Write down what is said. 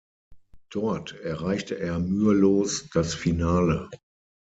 Dort erreichte er mühelos das Finale.